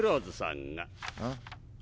ん！